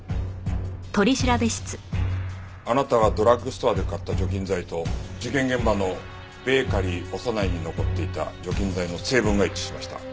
あなたがドラッグストアで買った除菌剤と事件現場のベーカリーオサナイに残っていた除菌剤の成分が一致しました。